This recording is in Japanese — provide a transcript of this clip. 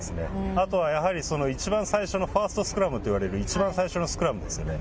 あとはやはり一番最初のファーストスクラムといわれる一番最初のスクラムですよね。